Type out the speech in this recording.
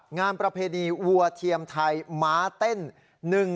งานประเพณีวัวเทียมไทยม้าเต้น